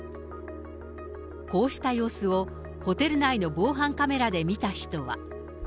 こうした様子を、ホテル内の防犯カメラで見た人は。